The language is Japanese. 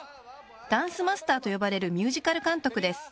ダンスマスターと呼ばれるミュージカル監督です